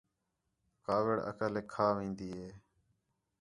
کاوِڑ عقلیک کھا وین٘دی ہے